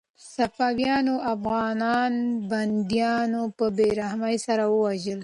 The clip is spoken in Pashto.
صفویانو افغان بندیان په بې رحمۍ سره ووژل.